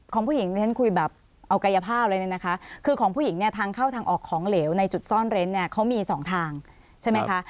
ของผู้หญิงที่ฉันคุยแบบเอากายภาพเลยเนี่ยนะคะคือของผู้หญิงเนี่ยทางเข้าทางออกของเหลวในจุดซ่อนเร้นเนี่ยเขามีสองทางใช่ไหมคะ